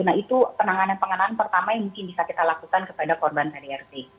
nah itu penanganan pengenalan pertama yang mungkin bisa kita lakukan kepada korban pdrt